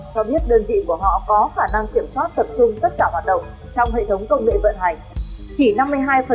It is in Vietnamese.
cho biết đơn vị của họ có khả năng kiểm soát tập trung tất cả hoạt động trong hệ thống công nghệ vận hành